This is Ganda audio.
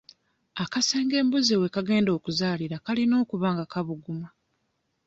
Akasenge embuzi w'egenda okuzaalira kalina okuba nga kabuguma.